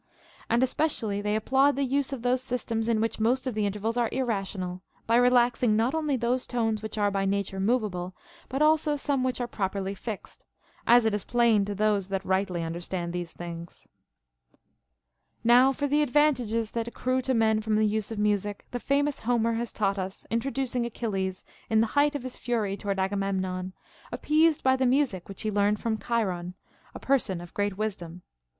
And especially they applaud the use of those systems in which most of the intervals are irrational, by relaxing not only those tones which are by nature mov able, but also some which are properly fixed ; as it is plain to those that rightly understand these things. 40. Now for the advantages that accrue to men from the use of music, the famous Homer has taught it us, introduc 132 CONCERNING MUSIG ing Achilles, in the height of his fury toward Agamemnon, appeased by the music which he learned from Chiron, a person of great wisdom.